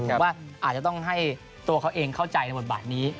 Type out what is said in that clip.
ผมว่าอาจจะต้องให้ตัวเขาเองเข้าใจในบทบาทนี้